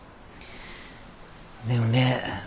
でもね